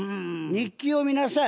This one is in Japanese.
日記読みなさい。